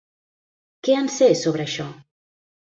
Què en sé sobre això?